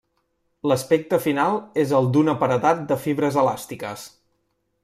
L'aspecte final és el d'un aparedat de fibres elàstiques.